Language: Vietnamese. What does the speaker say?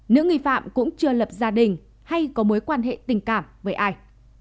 nữ nghi phạm cũng chưa lập gia đình hay có mối quan hệ tình cảm với ai